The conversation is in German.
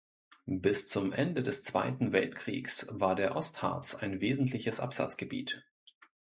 Bis zum Ende des Zweiten Weltkriegs war der Ostharz ein wesentliches Absatzgebiet.